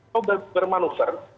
dan juga bermanuver